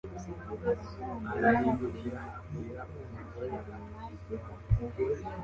abatambyi n'abakuru baruma gihwa,